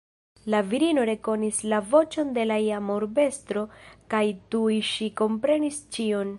La virino rekonis la voĉon de la iama urbestro kaj tuj ŝi komprenis ĉion.